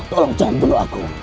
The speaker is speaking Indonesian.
tolong jangan bunuh aku